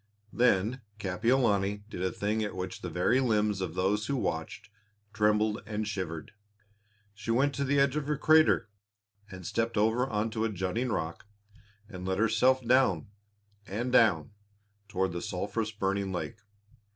Then Kapiolani did a thing at which the very limbs of those who watched trembled and shivered. She went to the edge of the crater and stepped over onto a jutting rock and let herself down and down toward the sulphurous burning lake.